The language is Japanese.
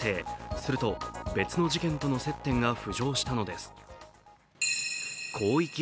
すると、別の事件との接点が浮上したのです。